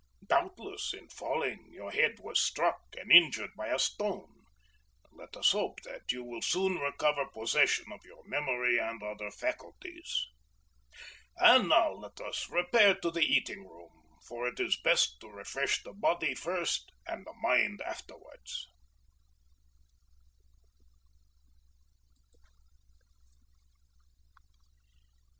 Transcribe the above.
Doubtless in falling your head was struck and injured by a stone. Let us hope that you will soon recover possession of your memory and other faculties. And now let us repair to the eating room, for it is best to refresh the body first, and the mind afterwards."